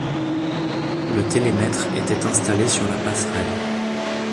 Le télémètre était installé sur la passerelle.